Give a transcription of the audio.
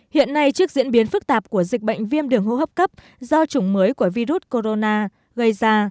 hiện nay trước diễn biến phức tạp của dịch bệnh viêm đường hô hấp cấp do chủng mới của virus corona gây ra